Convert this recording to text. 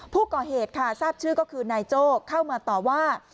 ผู้ก่อเหตุค่ะทราบชื่อก็คือนายโจ้เข้ามาต่อว่า